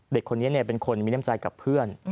เด็กคนนี้เนี่ยเป็นคนมีเนื่องใจกับเพื่อน